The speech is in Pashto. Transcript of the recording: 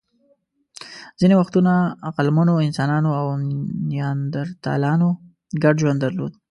ځینې وختونه عقلمنو انسانانو او نیاندرتالانو ګډ ژوند درلود.